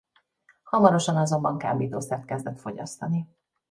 Hamarosan azonban kábítószert kezdett fogyasztani.